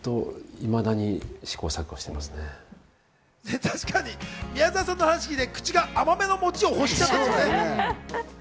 確かに宮沢さんの話を聞いて、口が甘めの餅を欲しているね。